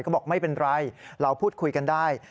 ก็บอกไม่เป็นไรเราพูดคุยกันได้